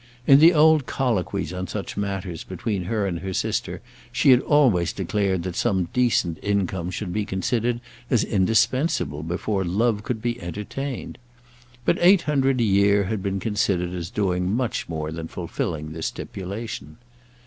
In the old colloquies on such matters between her and her sister, she had always declared that some decent income should be considered as indispensable before love could be entertained. But eight hundred a year had been considered as doing much more than fulfilling this stipulation.